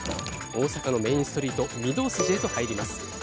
大阪のメインストリート御堂筋へと入ります。